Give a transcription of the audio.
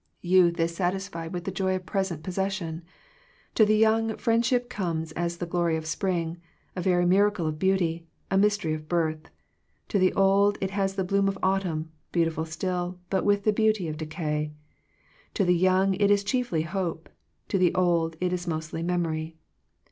Youth is satisfied with the joy of present possession. To the young friendship comes as the glory of spring, a very miracle of beauty, a mystery of birth: to the old it has the bloom of autumn, beautiful still, but with the beauty of decay. To the young it is chiefly hope: to the old it is mostly mem ory.